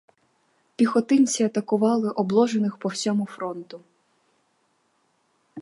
Піхотинці атакували обложених по всьому фронту.